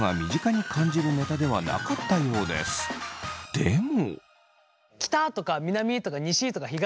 でも。